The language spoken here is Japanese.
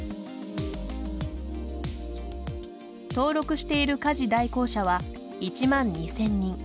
登録している家事代行者は１万２０００人。